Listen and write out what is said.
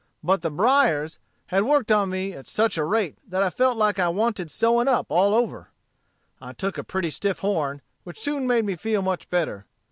But the briers had worked on me at such a rate that I felt like I wanted sewing up all over. I took a pretty stiff horn, which soon made me feel much better.